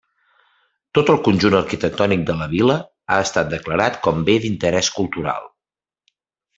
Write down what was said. Tot el conjunt arquitectònic de la vila, ha estat declarat com Bé d'Interès Cultural.